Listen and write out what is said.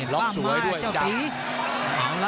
ล็อกสวยด้วยดัง